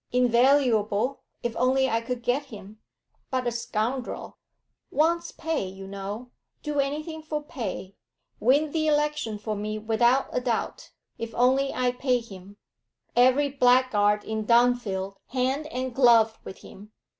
Invaluable, if only I could get him, but a scoundrel. Wants pay, you know; do anything for pay; win the election for me without a doubt, if only I pay him; every blackguard in Dunfield hand and glove with him.